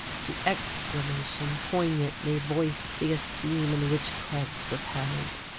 The exclamation poignantly voiced the esteem in which Krebs was held.